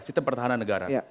sistem pertahanan negara